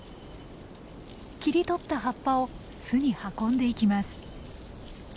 切り取った葉っぱを巣に運んでいきます。